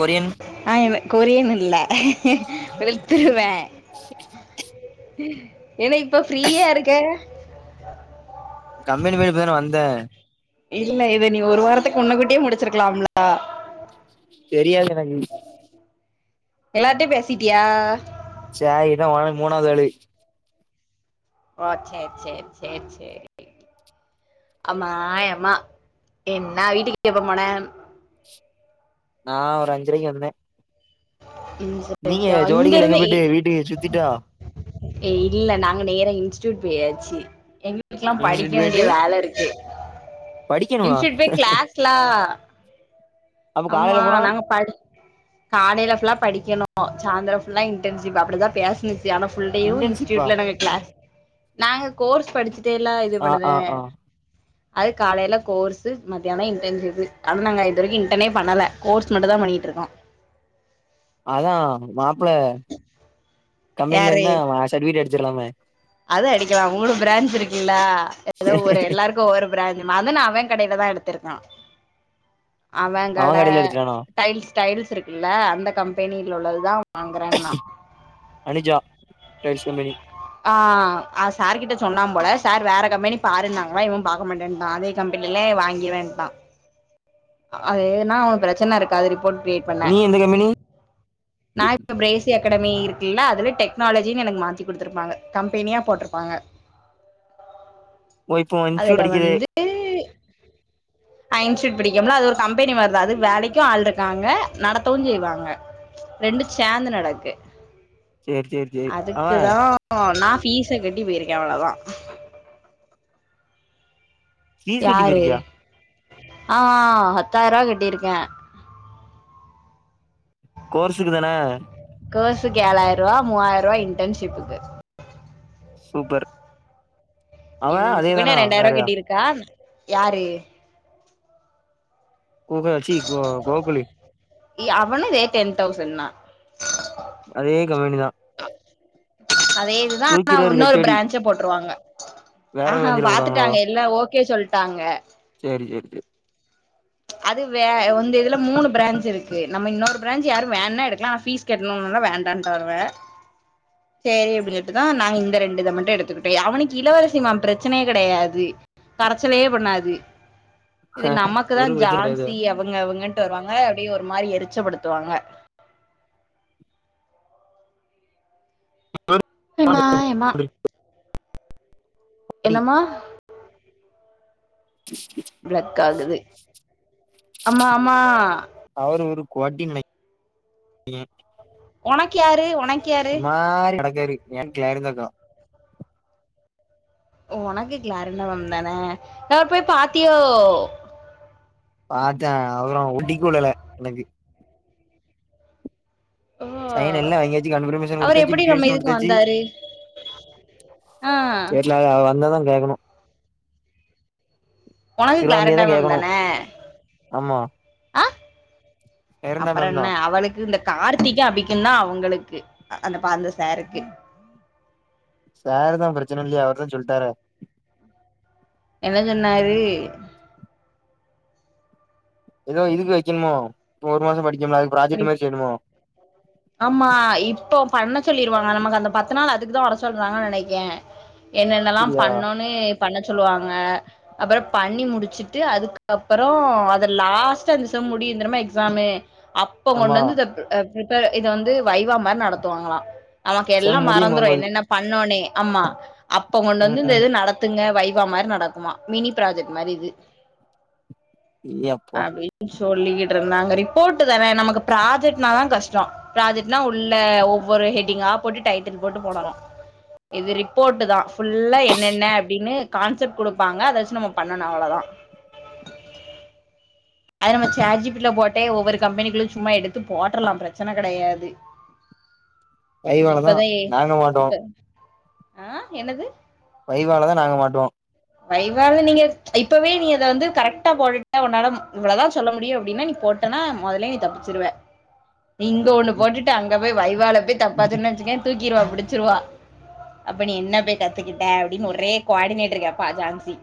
Korean ஆ என் Korean இல்ல வெளுத்துருவே [inaudible] ஏன்னா இப்ப ஃப்ரீயா இருக்க கம்பெனி பேயி இப்ப தான வந்த இல்ல இத நீ ஒரு வாரத்துக்கு முன்ன கூட்டியே முடிச்சிருக்கலாம்லா தெரியாது எனக்கு எல்லார்ட்டி பேசிட்டியா ச்ச இதா ஒன் மூணாது அழி ஓ சேரி சேரி சேரி சேரி அம்மா யம்மா என்ன வீட்டுக்கு எப்ப போன நா ஒரு அஞ்சரைக்கு வந்தே ம் நீங்க சரிக்கா இங்க ஜோடிகள் எங்க போய்ட்டு வீட்டு சுத்திட்டோ ஏ இல்ல நாங்க நேரா இன்ஸ்ட்டியூட் போயாச்சு எங்குளுக்குலா படிக்க இன்ஸ்டியூட் வேண்டிய போயிட்டு வேல இருக்கு படிக்கணுமா இன்ஸ்ட்யூட் போய் கிளாஸ்ல அப்ப அம்மா காலையில போறோ நாங்க படி காலைல ஃபுல்லா படிக்கணு சாய்ந்தரோ ஃபுல்லா இன்டன்ஷிப் அப்டிதா பேசுனுச் சு ஆனா ஃபுல் டேயு இன்டர்ன்ஷிப்பா இன்ஸ்ட்யூட்ல நாங்க கிளாஸ் நாங்க கோர்ஸ் படிச்சுட் டேலா இது ஆ பண்ணுதே ஆ ஆ அது காலைல கோர்ஸ்சு மதியானோ இன்டன்ஷிப்பு ஆனா நாங்க இதுவரைக்கு இன் அட்டனே பண்ணல கோர்ஸ் மட்டு தா பண்ணிட்ருக்கோ அதா மாப்ள கம்பெனில யாரு இருந்தா அவசர்ட்டிவிகேட் அடிச்சிர்லாமே அது அடிக்கலா மூணு பிரான்ச் இருக்குல எதோ ஒரு எல்லாரு ஒரு பிராஞ்ச் மதன் அவே கடைல தா எடுத்துருக்கா அவே அவ கட கடையில அடிச்சிடானா டைல்ஸ் டைல்ஸ் இருக்குல்ல அந்த கம்பெனில உள்ளதுதா வாங்குறன்னா அனுஜா டைல்ஸ் கம்பெனி ஆ அது சாருகிட்ட சொன்னாம்போல சார் வேற கம்பெனி பாருன்னாங்ளா இவன் பாக்க மாட்டேன்டா அதே கம்பெனிலே வாங்கிறேன்டா அது ஏனா ஒரு பிரச்சன இருக்காது ரிப்போர்ட் கிரியேட் பண்ண நீ எந்த கம்பெனி நா இப்ப பிரேசி அகடமி இருக்குல்ல அதுல டெக்னாலஜின்னு எனக்கு மாத்தி குடுத்துருப்பாங்க கம்பெனியா போட்ருப்பாங்க ஓ இப்போ இன்ஸ்டியூட் அதுல அடிக்குது வந்து நா இன்ஸ்டியூட் படிக்கம்ல அது ஒரு கம்பெனி மாரி தா அது வேலைக்கு ஆள்ருக்காங்க நடத்தவு செய்வாங்க ரெண்டு சேந்து நடக்கு சேரி சேரி சேரி அவ அதுக்குதா நா ஃபீஸ கட்டி போயிருக்கே அவ்ளதா ஃபீஸ் கட்டி யாரு போயிருக்கியா ஆ பத்தாயிருவா கட்டிருக்கே கோர்ஸுக்கு தான கோர்ஸுக்கு ஏழாயிருவா மூவாயிருவா இன்டன்ஷிப்புக்கு சூப்பர் அவ என் அதே சுகன்யா தானா ரெண்டாயிருவா வேறயா கெட்டிருக்கா யாரு கூக ச்சி கோ கோகுலு யவளு இதே டென் தௌசண்ட் தா அதே கம்பெனி தா அதே இது தா ஆனா அவ தூக்கிறாரு இன்னொரு ஹெச்ஓடி பிரான்ச் த போட்ருவாங்க வேற ஆ ஹான் பிரஞ்சுல போடுவாங்களோ பாத்துட்டாங்க எல்லா ஓகே சொல்ட்டாங்க சேரி சேரி சேரி அது வே இந்த இதுல மூணு பிரான்ச் இருக்கு நம்ம இன்னொரு பிரான்ச் யாரு வேண்ணா எடுக்குலா ஆனா ஃபீஸ் கெட்ணும்னா வேண்டான்டாவ [inaudible] சேரி அப்டின் சொல்ட்டு தா நாங்க இந்த ரெண்டு இத மட்டு எடுத்துக்கிட்டே அவனுக்கு இளவரசிமா பிரச்சனையே கெடையாது கரச்சலே பண்ணாது இது நமக்குதா ஒரு பிரச்சன கெடையாது ஜான்சி அவங்க அவங்கட்டு வருவாங்க அப்டியே ஒரு மாரி எரிச்சபடுத்துவாங்க எம்மா எம்மா கோடி என்னமா [inaudible] ப்ளக் ஆகுது அம்மா அம்மா அவரு ஒரு கோட்டிங் அ ஒனக் யாரு ஒனக் ஒரு மாரி நடக்காரு ஏன் கேளுங்கக்கோ ஒனக்கு கிளாரணவம் தான அவர போய் பாத்தியோ பாத்தே அதலா ஒட்டிகுள்ளல எனக்கு ஓ சைன் எல்லா வாங்கியாச்சி கான்ட்ரிபூயூசன் அவர் குடுத்தாச்சி எப்படி நம்ம டிக்லேசன் இதுக்கு குடுத்தாச்சி அ வீட்ல அவ அவ வந்தா தா கேக்கணு ஒனக்கு இருவதாந்தேதி கிளாரண்டா தா மேம் கேக்கணு தான ஆமா ஆ சைலந்தா மேம் தா அப்பறென்ன அவளுக்கு இந்த கார்த்திகு அபிக்குந்தா அவங்களுக்கு அந்த பா அந்த சாருக்கு சார் தா பிரச்சனை ஒன்னு இல்லையே அவருட்ட தா சொல்டாரே என்னஞ்சொன்னாரு ஏதோ இதுக்கு வைக்கணுமோ இப்ப ஒரு மாசம் படிக்கம்ல அதுக் ப்ராஜெக்ட் மாரி செய்யணுமோ ஆமா இப்போ பண்ண சொல்லிருவாங்க நமக்கு அந்த பத்து நாள் அதுக்குதா வர சொல்றாங்க நெனைக்கே என்னென்னல்லா அப்டியா பண்ணோனு பண்ண சொல்லுவாங்க அப்பற பண்ணி முடிச்சுட்டு அதுக்கப்பற அத லாஸ்ட்டா அந்த செம் முடியு தெரியுமா எக்ஸாமு அப்ப ஆமா கொண்டு வந்து இத பிரிபேர் இத வந்து வைவா மாரி நடத்துவாங்களா நமக்கு எல்லா செம் முடியும் மறந்துறு போம்போது என்னென்ன பண்ணோனே ஆமா அப்ப கொண்டு ம் வந்து இந்த ம் இது நடத் துங்க வைவா மாரி நடக்குமா மினி ப்ராஜெக்ட் மாரி இது ஏ அப்பா சொல்லிகிட்டு இருந்தாங்க ரிப்போர்ட் தான நமக்கு ப்ராஜெக்ட்னாதா கஷ்டோ ப்ராஜெக்ட்னா உள்ள ஒவ்வொரு ஹெட்டிங்கா போட்டு டைட்டில் போட்டு போடனு இது ரிப்போட்டு தா ஃபுல்லா என்னென்ன அப்டின்னு கான்செப்ட் குடுப்பாங்க அத வச்சு நம்ம பண்ணணு அவ்ளதா அது நம்ம சாட் ஜீ பீட்டில போட்டே ஒவ்வொரு கம்பெனிகுளு சும்மா எடுத்து போட்ரலா பிரச்சன கெடையாது வைவாலதா இப்பதா ஏ நாங்க மாட்டுவோ இப்ப ஆ என்னது வைவால தா நாங்க மாட்டுவோ வைவால நீங்க இப்பவே நீ அத வந்து கரெக்டா போட்டுட்டா உன்னால இவ்ளதா சொல்ல முடியு அப்டினா நீ போட் டனா மொதலே நீ தப்பிச்சுருவ இங்க ஒன்னு ம் போட்டுட்டு அங்க போய் வைவால போய் தப்பா சொன்ன வச்சுக்க தூக்கிருவா புடிச்சிருவா அப்ப நீ என்ன போய் கத்துக்கிட்டே அப்டின் ஒரே குவாடினேட்டர் கேப் பா ஜான்சி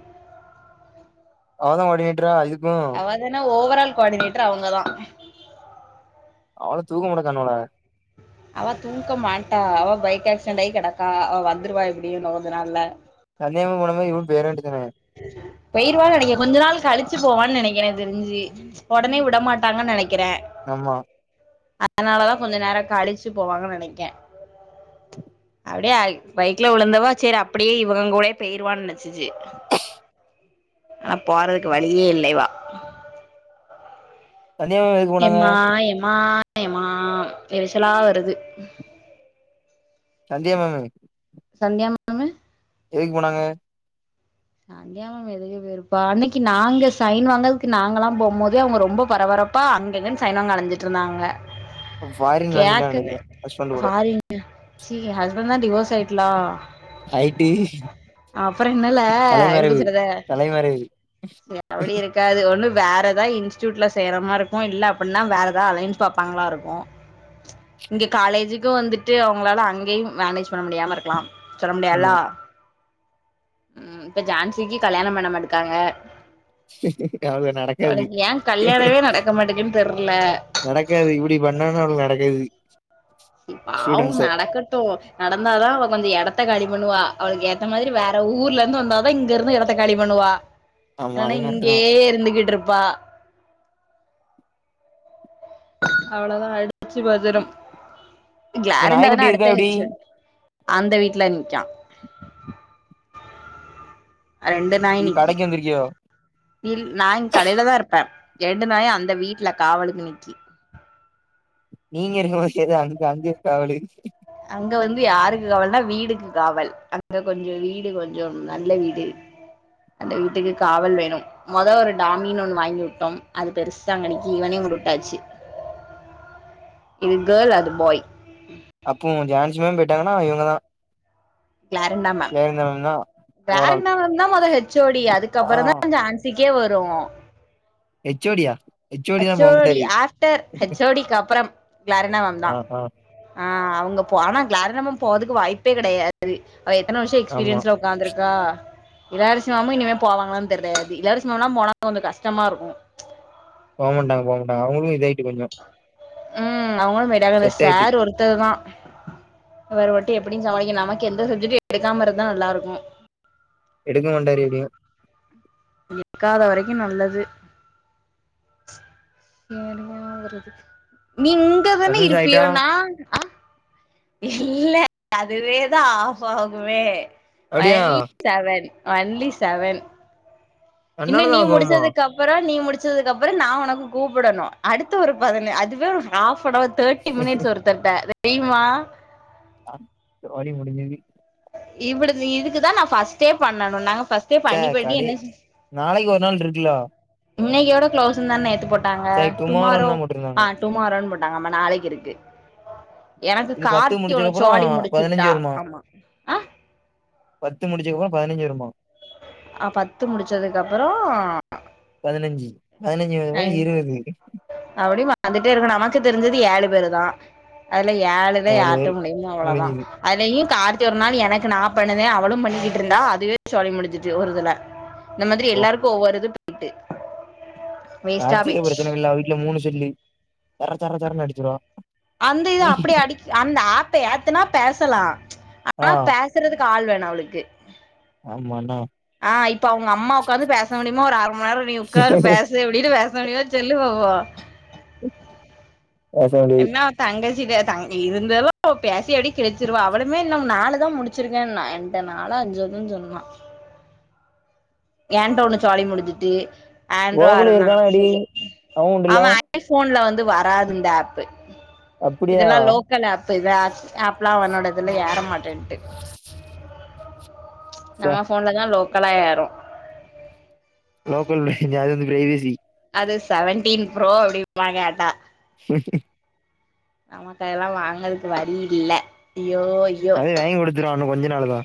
அவதா குவாடினேட்ரா இதுக்கு அவதான ஓவர் ஆல் குவாடினேட்டர் அவங்க தா அவ்ள தூக்கமுட [unintelligible] அவ தூக்க மாட்டா அவ பைக் ஏக்சென்ட் ஆயி கெடக்கா அவ வந்துருவா எப்புடியி இன்னு கொஞ்ச நாள்ல. சந்தேகமா [unintelligible] இவ பேராண்டிதான பயிருவா நெனைக்கே கொஞ்ச நாள் கழிச்சு போவான் நெனைக்கற என தெரிஞ்சி. ஒடனே விடமாட்டாங்கன் நெனைக்கிறே. ஆமா. அதனாலதா கொஞ்ச நேரோ கழிச்சு போவாங்க நெனைக்கே. அப்டியே அய்க் பைக்ல உழுந்தவ சேரி அப்பிடியே இவுங்க கூடயே பேயிருவான் நெனைச்சுச்சு. ஆ போறதுக்கு வழியே இல்ல இவா. தனியாவெது. யம்மா யம்மா யம்மா எரிச்சலா வருது. சந்தியா மேமு. சந்தியாம் எதுக் போனாங்க? சந்தியா மேம் எதுக் போயிருப்பா. அன்னிக்கி நாங்க சைன் வாங்கதுக்கு நாங்கல்லா போம் போதே அவுங்க ரொம்ப பரபர ப்பா அங்க இங்கன் சைன் வாங்க அலைஞ்சிட்ருந்தாங்க ஃபாரின் கெளம்பிட்டான்னு கேக்கவே நெனைக்கிறே ஹஸ்பண்ட் கூட ஃபாரின் சி ஹஸ்பண் தா டிவோர்ஸ் ஆயிட்லா. ஆய்ட்டி அப்புற என்னல தலைமறைவு எப்டி சொல்றது தலைமறைவு. காது ஒன்னு வேற எதா இன்ஸ்டியூட்ல செர மாருக்கு இல்ல அப்பன்னா வேற எதா அலையன்ஸ் பாப்பாங்ளா இருக்கு. இங்க காலேஜுக்கு வந்துட்டு அவுங்ளால அங்கயும் மேனேஜ் பண்ண முடியாம இருக்லா. சொல்ல முடியா அல்லா. ஆமா ம் இப்ப ஜான்சிக்கி கல்யாணம் பண்ணாம இடுக்காங்க. அவளுக்கு நடக்காது அவுளுக்கு ஏ கல்யாணவே நடக்க மாட்டகன் தெர்ல. நடக்காது இப்டி பண்ணானா அவுளுக் நடக்காது. சி பாவும் ஸ்டூடெண்ட்ஸ நடக்கட் டு நடந்தாதா அவ கொஞ்சோ எடத்த காலி பண்ணுவா. அவுளுக்கு ஏத்த மாதிரி வேற ஊர்ல இருந்து வந்தாதா இங்க இருந்து எட த்த காலி பண்ணுவா. ஆமா இல்லன்னா அது கரெக்ட் தா இங்கியே இருந்துகிட்ருப்பா. அவ்ளவுதா அடிச்சு பஜரம். இந்த கிளாரண்டாதான நாய்க்குட்டி இருக்கா அடுத்த எப்டி ஹெச்சு அந்த வீட்ல இஞ்ச்சா. அ ரெண்டு நாய் இது நிக்கி. கடைக்கு வந்திருக்கியோ இல் நா இங் கடையில தா இருப்பே. ரெண்டு நாயு அந்த வீட்ல காவலுக்கு நிக்கி. நீங்க இருக்கும் போது எது அங்க அங்கியே காவலு. அங்க வந்து யாருக்கு காவல்னா வீடுக்கு காவல். அங்க கொஞ்சோ வீடு கொஞ்சம் நல்ல வீடு. அந்த வீட்டுக்கு காவல் வேணும். மொத ஒரு டாமின் ஒன்னு வாங்கி உட்டோம். அது பெருசா அங்க நிக்கி இவனையு கொண்டு உட்டாச்சி. இது கேள் அது பாய். அப்போ உங் ஜான்சிமே போய்ட்டாங்கன்னா இவுங்க தா. கிளாரண்டா மேம், மேம் தா ஓவரால் கிளாரண்டா மேம் தா மொத ஹெச் ஓ டி ஆ அதுக்கப்புறந்தா ஜான்ஸ் சிக்கே வரு. ஹெச் ஓ டி யா? H O D after H O D க்கு அப்புறம் கிளாரண்டா மேம் ஆ, தா. ஆ. ஆ அவுங்க போ ஆனா கிளாரண்டா மேம் போறதுக்கு வாய்ப்பே கெடையாது. அவ எத்தன வர்ஷ ஆமா. எக்ஸ்பீரியன்ஸ்ல உ க்காந்திருக்கா. இளவரசி மேமு இனிமே போவாங்களானு தெரியாது இளவரசி மேம்லாம் போனா கொஞ்சோ கஷ்டம இருக்கு போமாட்டாங்க போமாட்டாங்க அவங்களு இதயிட்டு கொஞ்சோ ம் அவங்களு விடகல ஆயிட்டு. சார் ஒரு த்தது தா வேர வட்டி எப்படி சமாளிக்க நமக்கு எந்த சப்ஜெக்ட்டு எடுக்காம இருதா நல்லா இருக்கு எடுக்க மாட்டாரு எப்படியு எடுக்காத வரைக்கு நல்லது நீங் இங்க தானே பத்து நிமிஷம் இருப்பியோ ஆயிட்டா? நா இல்ல அதுவேதா ஆப் ஆகுமே வ அப்டியா? செவன் ஒன்லி செவன் இன்னு நீ தன்னாலதான் ஆகுமா? முடிச்சதுக்கு அப் அப்புற நீ முடிச்சதுக்கு அப்புற நா உனக்கு கூப்படணு அடுத்த ஒரு பதின அதுவே ஒரு half an hour thirty minutes ஒருதர்ட தெரிமா ஆ சோலி முடிஞ்சது இவ்வுடு இதுக்குதா நா ஃபர்ஸ்ட்டே பண்ணணு நாங்க ஃபர்ஸ்ட் சே கடை நாளைக்கு ஒரு நாள் இருக்குலே இன்னைக்கோட க்ளோஸ் தானே நேத்து போட்டாங்க சரி டுமாரோன்னு டுமாரோ தான் போட்ருந்தாங்க. ஆ டுமாரோன்னு போட்டாங்க அப்ப நாளைக்கு இருக்கு எனக்கு இது பத்து கார்த்தியோட முடிச்சக்கப்புறம் சோடி பதினஞ்சு முடிச்சுட்டா வருமா? ஆமா பத்து முடிஞ்சுருவா பதினஞ்சு வருமா அ பத்து முடிச்சதுக்கு அப்பறோ பதினஞ்சு பதினஞ்சு வரு இருபது அப்படியே பந்துட்டே இருக்கணு நமக்கு தெரிஞ்சது ஏழு பேரு தா அதுல ஏழு தா நாலு ஆட்டு பேரு முடியு அவ்வளதா முடிஞ்சுது. அதையு கார்த்தி ஒரு நாள் எனக்கு நா பண்ணதே அவளும் பண்ணிக்கிட்டு இருந்தா அதுவே சோலி முடிஞ்சிச்சு ஒருதுல [inaudible] இந்த மாதிரி போ எல்லாருக்கு ஒவ்வொரு இது வேஸ்டா கார்த்திக் போயிச்சு பிரச்சன இல்ல அவ வீட்ல மூணு செல்லு சர சர சரன்னு அடிச்சிருவா அந்த இது அப்படியே அடி அந்த ஆப்ப ஏத்தனா பேசலா ஆ ஆனா பேச றதுக்கு ஆள் வேணு அவளுக்கு ஆமாண்ணா ஆ இப்ப அவங்க அம்மா உக்காந்து பேச முடியுமோ ஒரு அர மண் நேரம் நீ உட்காந்து பேசு எப்டின்னு பேச முடியுமா சொல்லு பாப்போ [unintelligible] என்ன தங்கச்சி பேச அங்க இருந்தாலோ பேசி எப்படி கிடைச்சிருவா அவளமே இன்னு நாலு தா முடிச் சிருக்கேன் நா என்ட நாளோ அஞ்சோதான் சொன்ன [unintelligible] ஏன்டோ ஒன்னு சோலி முடிஞ்சுட்டு ஆண்ட்ரோ கோகுலு அரன்னாங்க இருக்கானாடி அவ உண்டுல ஆமா ஐபோன்ல வந்து வராது இந்த ஆப்பு அப்டியா இதெல்லா லோக்கல் ஆப் இப்ப இத ஆப்லா அவனோட இதுல ஏற மாட்டேன்ட்டு [unintelligible] ச நம்ம போன்ல தா லோக்கலா ஏரு லோக்கல் அது வந்து பிரைவேசி அது செவன்டீன் ப்ரோ அப்டிமாங்க அதா செர் நமக்கு அதெல்லா வாங்கரதுக்கு வழி இல்ல ஐயோ ஐயோ அதையு வாங்கி குடுத்துருவே இன்னு கொஞ்ச நாளு தா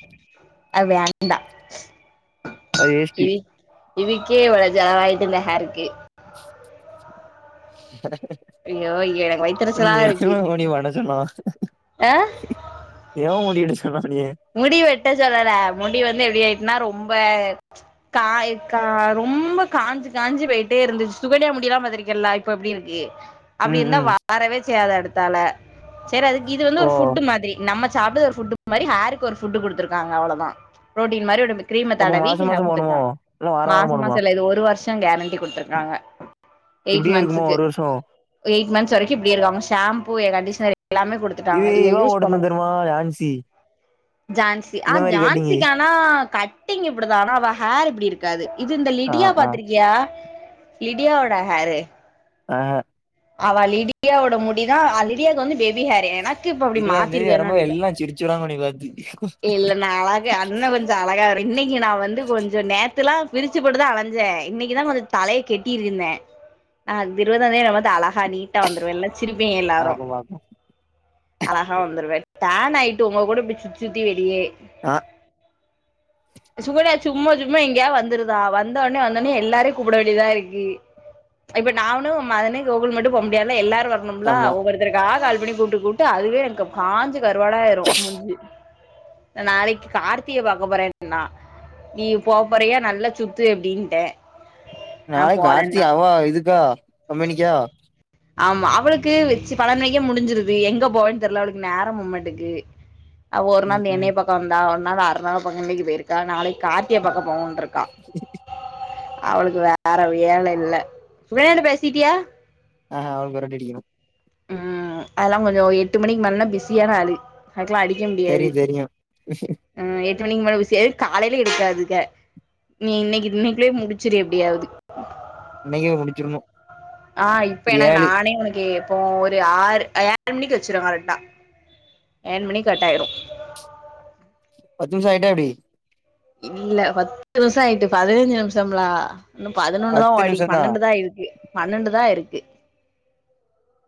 அது வேண்டா அது வேஸ்ட் இ இதுக்கே இந்த செலவாயிட்டு இந்த ஹேர்க்கு ஐயோ எனக்கு வயித்தெரிச்சலா இப்ப [unintelligible] பண்ண சொன்னா ஏ எவே முடி எடுக்க சொன்னா உன்னிய முடி வெட்ட சொல்லல முடி வந்து எப்டி ஆயிட்டுனா ரொம்ப காய் கா ரொம்ப காஞ்சி காஞ்சி போயிட்டே இருந்துச்சு சுகன்யா முடியெல்லா பாத்திருக்கில்ல இப்ப எப்டியிருக்கு அப்டி ம் இருந்தா ம் வாரவே செய்யாது எடுத்தால சேரி அதுக்கு இது வந்து ஓ ஒரு ஃபுட்டு் மாதிரி நம்ம சாப்பிடுது ஒரு ஃபுட் மாரி ஹேருக்கு ஒரு ஃபுட் குடுத்துருக்காங்க அவ்ளோ தா புரோட்டின் மாரி ஒரு கிரீம அப்ப தடவி மாச மாச போணுமோ இல்ல [unintelligible] வார வார மாச மாசோ போணுமா இல்ல இது ஒரு வர்சோ கேரண்டி குடுத்துருக்காங்க எயிட் இப்டியே இருக்குமா மந்த்ஸுக்கு ஒரு வருஷோ எயிட் மந்த்ஸ் வரைக்கு இப்டி இருக்காங்க ஷேம்பூ கண்டிஷனர் எல்லாமே குடுத் இது இவ ஓடுனது தெர்மா ஜான்சி ஜான்சி அ இந்த மாரி கட்டிங்கு ஜான்சிக்கு ஆனா கட்டிங் இப்டிதா ஆனா அவ ஹேர் இப்டி இரு க்காது இது இந்த ஆ லிடியா ஆ பாத்திருக்கியா லிடியாவோட ஹேரு அ அவ லீடியாவோட முடிதா அ லிடியாக்கு வந்து பேபி ஹேரு ஏனா இருவதாந் தேதி வரும்போது எல்லா சிரிச்சிருவாங்க உன்னிய பாத்து இல்ல நா அழகு அண்ண கொஞ்ச அழகா வருவிங் இன்னிக்கு நா வந்து கொஞ்சோ நே த்துல்லா விருச்சி போட்டுதா அலஞ்சே இன்னிக்குதா கொஞ்ச தலய கெட்டியிருந்தே ஆ இந் இருவதாந் தேதி என்ன பாத்தா அழகா நீட்டா வந்துருவேல்ல சிரிப்பிங்க எல்லாரு பாக்கு பாக்கு அழகா வந்துருவே டேன்னாய்ட்டு உங்க கூட இப்டி சுத்தி சுத்தி வெளியே அ சுகன்யா சும்மா சும்மா எங்கேயா வந்துருதா வந்தோனே வந்தோனே எல்லாரையு கூப்புட வேண்டிய தா இருக்கு இப்ப நானு மதனே கோகுல் மட்டு போ முடியாதுல எல்லாரு வ ருனுமுல்ல ஆமா ஒவ்வொருத்தருகா கால் பண்ணி கூப்ட்டு கூப்ட்டு அதுவே எனக்கு காஞ்சி கருவாடாயிரு முஞ்சி நாளைக்கு கார்த்திய பாக்க போறேன்னா நீ போ போறயா நல்லா சுத்து அப்டின்ட்டே நா நாய் கார்த்தி போலன்னா அவா இதுக்கா கம்பெனிக்கா ஆமா அவுளுக்கு வெச்சு பன்னன்றைக்கே முடிஞ்சிருது எங்க போவேன் தெர்ல அவுளுக்கு நேரோ போம்மாட்டுக்கு ஒரு ம் நாள் ம் என்னய பாக்க வந்தா ஒரு நாள் அர்ணாவ பாக்க இன்னக்கி போயிருக்கா நாளைக்கு கார்த்திய பாக்க போவோன்ட்ரு க்க அவளுக்கு வேற வேல இல்ல சுகன்யாட்ட பேசிட்டியா ஆ ஆ அவளுக்கு ஒரு அடி அடிக்கணு ம் அதெல்லா கொஞ்சோ எட்டு மணிக்கு மேலனா பிஸியான அளு அதுக்கெல்லா அடிக்க முடியாது தெரியு தெரியு ம் எட்டு மணிக்கு மேல பிஸியா காலைல இருக்காதுக நீ இன்னிக்கி இன்னைக்குள்ளே முடிச்சிரு எப்டியாவ்து இன்னைக்கே முடிச்சிருணு ஆ இப்ப எனக் நானே உனக்கு அப்போ ஒரு ஆறு ஏழு மணிக்கு வெச்சிருவோ கரெட்டா ஏழு மணிக்கு கட்டாயிரு பத்து நிமிஷோ ஆயிட்டா எப்டி இல்ல பத்து நிமிஷோ ஆயிட்டு பதினஞ்சு நிமிஷம்ல இன்னு பதினொன்னுதா பத்து ஓடி நிமிஷந்தா பன்னெண்டு தா ஆயிருக்கு பன்னெண்டு தா ஆயிருக்கு